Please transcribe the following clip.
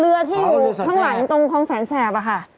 เรื้อที่หลุมทางหลังตรงคลองแสนแสบ